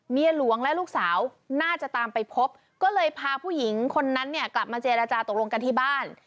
เมียหลวงและลูกสาวน่าจะตามไปพบก็เลยพาผู้หญิงคนนั้นเนี่ยกลับมาเจรจาตกลงกันที่บ้าน